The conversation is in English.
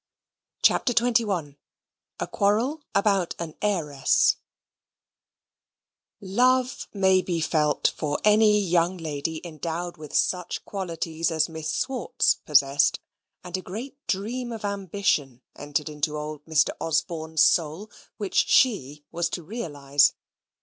CHAPTER XXI A Quarrel About an Heiress Love may be felt for any young lady endowed with such qualities as Miss Swartz possessed; and a great dream of ambition entered into old Mr. Osborne's soul, which she was to realize.